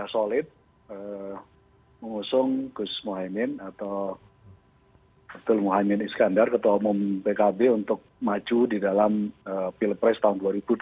selesai mengusung gus mohamid atau gus mohamid iskandar ketua umum pkb untuk maju di dalam pilpres tahun dua ribu dua puluh empat